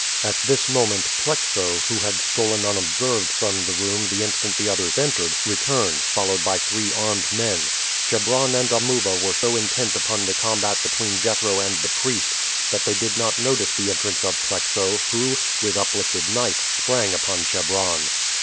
At this moment Plexo, who had stolen unobserved from the room the instant the others entered, returned, followed by three armed men. Chebron and Amuba were so intent upon the combat between Jethro and the priest that they did not notice the entrance of Plexo, who, with uplifted knife, sprang upon Chebron.